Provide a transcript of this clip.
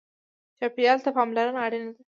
چاپېریال ته پاملرنه اړینه ده.